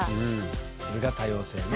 それが多様性ね。